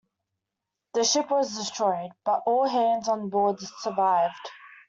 The ship was destroyed, but all hands on board survived.